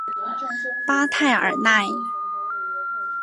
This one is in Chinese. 巴泰尔奈。